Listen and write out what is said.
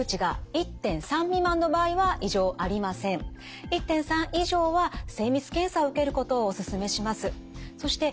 １．３以上は精密検査を受けることをお勧めします。